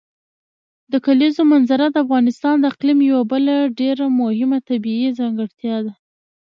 د کلیزو منظره د افغانستان د اقلیم یوه بله ډېره مهمه طبیعي ځانګړتیا ده.